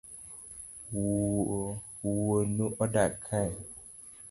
Wuonu odak kae?